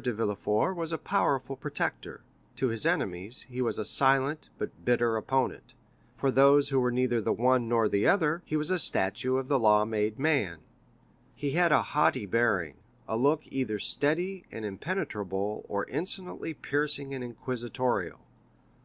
de Villefort was a powerful protector; to his enemies, he was a silent, but bitter opponent; for those who were neither the one nor the other, he was a statue of the law made man. He had a haughty bearing, a look either steady and impenetrable or insolently piercing and inquisitorial.